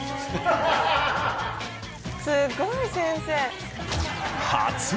すごい先生。